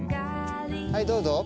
はいどうぞ。